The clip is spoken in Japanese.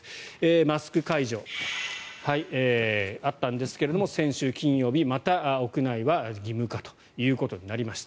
マスク解除、あったんですが先週金曜日また屋内は義務化となりました。